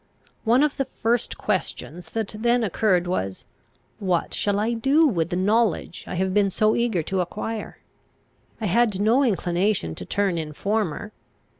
One of the first questions that then occurred was, what shall I do with the knowledge I have been so eager to acquire? I had no inclination to turn informer.